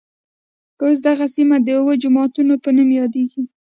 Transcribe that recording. اوس دغه سیمه د اوه جوماتونوپه نوم يادېږي.